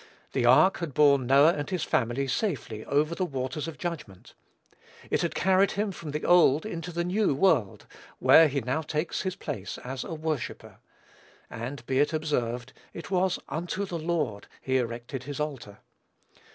The ark had borne Noah and his family safely over the waters of judgment. It had carried him from the old into the new world, where he now takes his place as a worshipper. And, be it observed, it was "unto the Lord" he erected his altar.